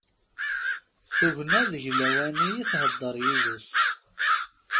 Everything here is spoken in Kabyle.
Tugna deg lawan-nni i tehder yid-s.